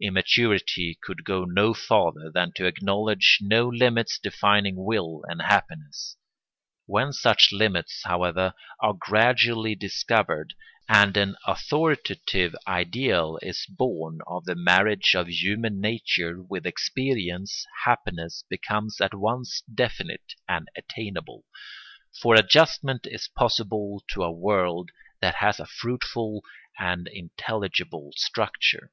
Immaturity could go no farther than to acknowledge no limits defining will and happiness. When such limits, however, are gradually discovered and an authoritative ideal is born of the marriage of human nature with experience, happiness becomes at once definite and attainable; for adjustment is possible to a world that has a fruitful and intelligible structure.